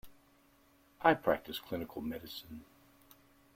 I practice clinical medicine.